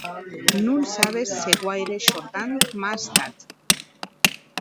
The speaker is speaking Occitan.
Non sabes se guaire shordant m'a estat.